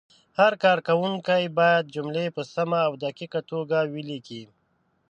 هر کارونکی باید جملې په سمه او دقیقه توګه ولیکي.